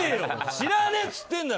知らねえっつってんだろ！